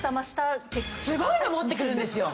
すごいの持ってくるんですよ。